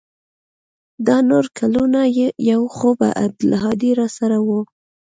دا نور کلونه يو خو به عبدالهادي راسره و.